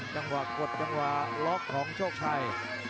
จังหวะกดจังหวะล็อกของโชคชัย